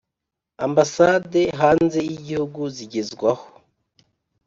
Ambasade hanze y igihugu zigezwaho